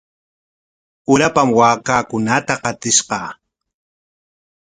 Urapam waakakunata qatishqa.